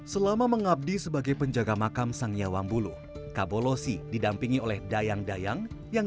selama mengabdi sebagai penjaga makam sanyawang bulu kapolosi didampingi oleh dayang dayang yang